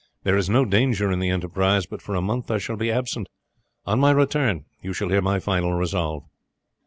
There is no danger in the enterprise, but for a month I shall be absent. On my return you shall hear my final resolve."